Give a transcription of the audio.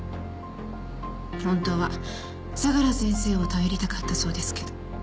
本当は相良先生を頼りたかったそうですけど。